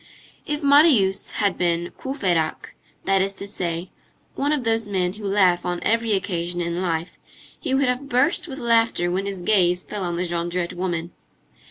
If Marius had been Courfeyrac, that is to say, one of those men who laugh on every occasion in life, he would have burst with laughter when his gaze fell on the Jondrette woman.